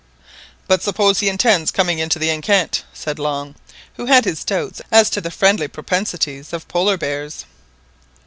"But suppose he intends coming into the enceinte?" said Long, who had his doubts as to the friendly propensities of Polar bears.